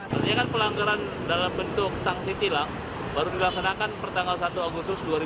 artinya kan pelanggaran dalam bentuk sanksi tilang baru dilaksanakan pertanggal satu agustus dua ribu dua puluh